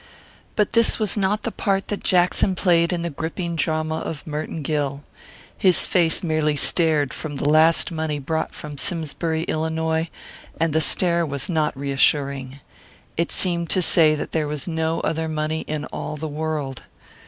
But this was not the part that Jackson played in the gripping drama of Merton Gill. His face merely stared from the last money brought from Simsbury, Illinois, and the stare was not reassuring. It seemed to say that there was no other money in all the world.